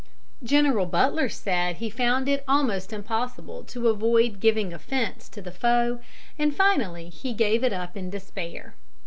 General Butler said he found it almost impossible to avoid giving offence to the foe, and finally he gave it up in despair.